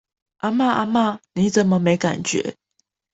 阿嬤阿嬤，你怎麼沒感覺？